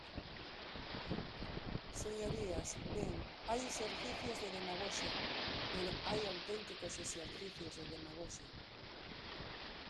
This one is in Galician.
Señorías, ben, hai exercicios de demagoxia, pero hai auténticos exercicios de demagoxia.